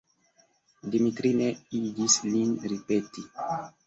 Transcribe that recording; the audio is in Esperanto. Dimitri ne igis lin ripeti.